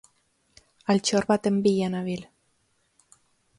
Altxor baten bila nabil.